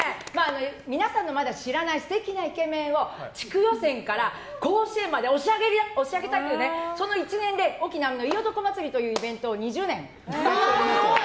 皆さんのまだ知らない素敵なイケメンを地区予選から甲子園まで押し上げたいというその一念でイベントを２０年やっております。